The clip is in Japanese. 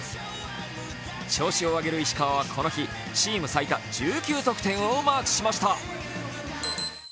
調子を上げる石川はこの日チーム最多１９得点をマークしました。